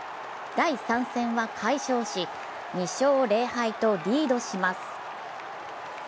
第３戦は快勝し、２勝０敗とリードします。